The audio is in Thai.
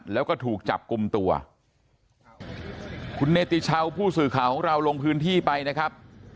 แล้วก็ถูกจับกลุ่มตัวคุณเนติชาวผู้สื่อข่าวของเราลงพื้นที่ไปนะครับ